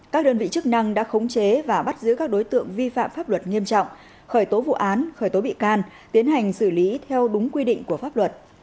các đơn vị chức năng đã khống chế và bắt giữ các đối tượng vi phạm pháp luật nghiêm trọng khởi tố vụ án khởi tố bị can tiến hành xử lý theo đúng quy định của pháp luật